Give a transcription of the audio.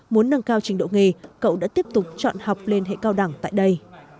muốn nâng cao trình độ nghề cậu đã tiếp tục chọn học lên hệ cao đẳng tại đây